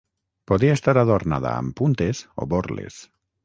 Podia estar adornada amb puntes o borles.